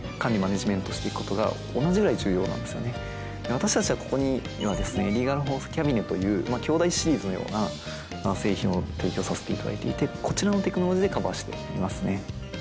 私たちはここにはですねＬｅｇａｌＦｏｒｃｅキャビネという兄弟シリーズのような製品を提供させていただいていてこちらのテクノロジーでカバーしていますね